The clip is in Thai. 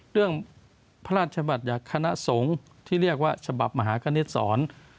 เรื่องพระราชบัตรยาคณะสมที่เรียกว่าฉบับมหาคณิตสอน